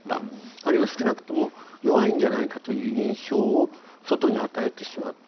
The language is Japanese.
あるいは少なくとも弱いんじゃないかという印象を外に与えてしまった。